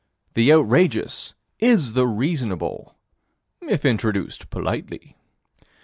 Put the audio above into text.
The outrageous is the reasonable, if introduced politely.